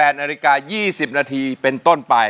นาฬิกา๒๐นาทีเป็นต้นไป